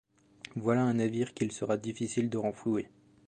Voilà un navire qu’il sera difficile de renflouer!